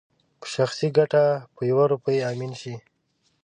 په شخصي ګټه په يوه روپۍ امين شي